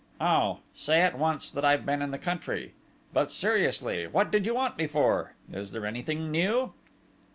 "Oh, say at once that I've been in the country!... But seriously, what did you want me for? Is there anything new?..."